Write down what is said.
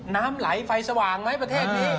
น้ำไหลไฟสว่างไหมประเทศนี้